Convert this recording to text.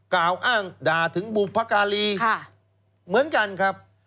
กล่าวอ้างด่าถึงบุพการีเหมือนกันครับ